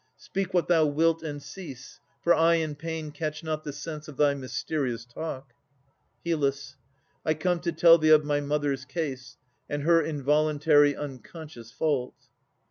Speak what thou wilt and cease, for I in pain Catch not the sense of thy mysterious talk HYL. I come to tell thee of my mother's case, And her involuntary unconscious fault.